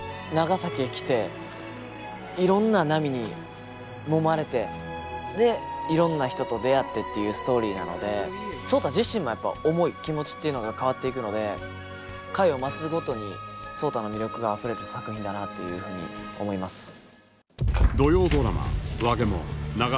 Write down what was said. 長崎へ来ていろんな波にもまれてでいろんな人と出会ってっていうストーリーなので壮多自身もやっぱ思い気持ちっていうのが変わっていくので回を増すごとに壮多の魅力があふれる作品だなというふうに思います。